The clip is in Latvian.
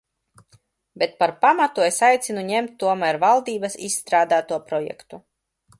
Bet par pamatu es aicinu ņemt tomēr valdības izstrādāto projektu.